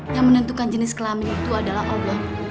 yang menentukan jenis kelamin itu adalah allah